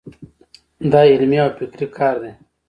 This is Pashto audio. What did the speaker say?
دا علمي او فکري کار دی.